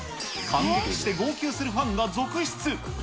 感激して号泣するファンが続出。